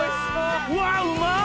うわうまっ！